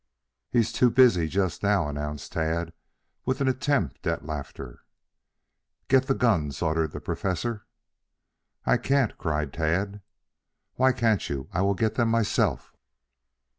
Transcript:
"He's too busy just now," announced Tad, with an attempt at laughter. "Get the guns," ordered the Professor. "I can't," cried Tad. "Why can't you? I will get them myself."